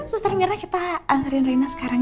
susternya kita nganterin rena sekarang